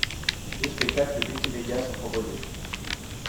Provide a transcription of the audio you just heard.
Deux spectacles multimédias sont proposés.